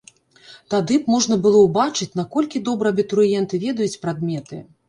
Тады б можна было убачыць, наколькі добра абітурыенты ведаюць прадметы.